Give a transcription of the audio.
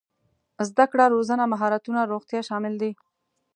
زده کړه روزنه مهارتونه روغتيا شامل دي.